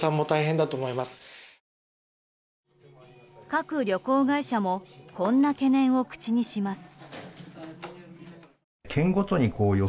各旅行会社もこんな懸念を口にします。